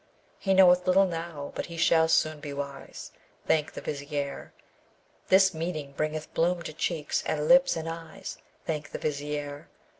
He knoweth little now, but he shall soon be wise: Thank the Vizier! This meeting bringeth bloom to cheeks and lips and eyes: Thank the Vizier!